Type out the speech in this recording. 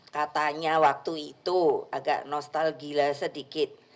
katanya waktu itu agak nostalgila sedikit